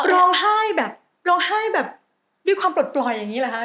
ร้องไห้แบบร้องไห้แบบด้วยความปลดปล่อยอย่างนี้เหรอคะ